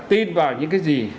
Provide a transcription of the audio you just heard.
tin vào những cái gì